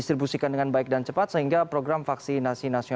sekian dan terima kasih